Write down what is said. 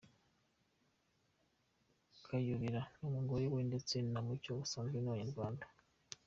Kayobera n’umugore we ndetse na Mucyo ubusanzwe ni abanyarwanda.